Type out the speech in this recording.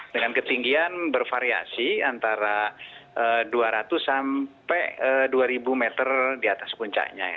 dengan ketinggian bervariasi antara dua ratus sampai dua ribu meter di atas puncaknya